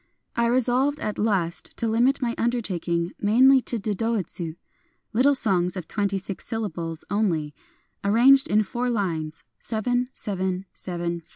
I resolved at last to limit my undertaking mainly to dodoitsu, — little songs of twenty six syllables only, ar ranged in four lines (7, 7, 7, 5).